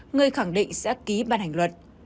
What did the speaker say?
người khẳng định sẽ ký ban hành luật